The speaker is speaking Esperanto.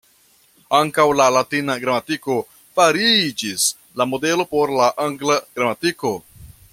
Ankaŭ la latina gramatiko fariĝis la modelo por la angla gramatiko.